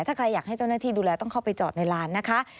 ถ้าใครอยากให้เจ้าหน้าที่ดูแลต้องเข้าไปจอดในร้านนะคะ